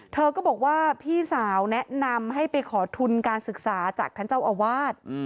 เธอก็บอกว่าพี่สาวแนะนำให้ไปขอทุนการศึกษาจากท่านเจ้าอาวาส